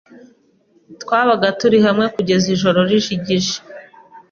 twabaga turi hamwe kugeza ijoro rijigije